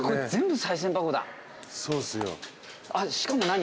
あっしかも何？